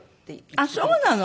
あっそうなの。